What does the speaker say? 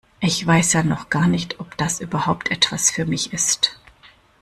Ich weiß ja noch gar nicht, ob das überhaupt etwas für mich ist.